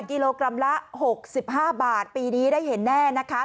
กิโลกรัมละ๖๕บาทปีนี้ได้เห็นแน่นะคะ